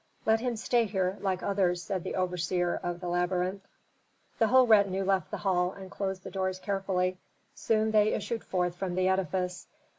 "Let him stay here, like others," said the overseer of the labyrinth. The whole retinue left the hall and closed the open doors carefully. Soon they issued forth from the edifice.